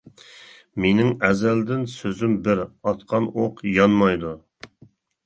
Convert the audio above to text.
مېنىڭ ئەزەلدىن سۆزۈم بىر، ئاتقان ئوق يانمايدۇ.